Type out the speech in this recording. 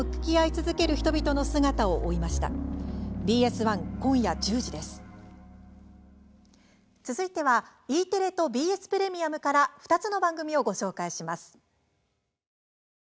続いてはＥテレとＢＳプレミアムから２つの番組を紹介します。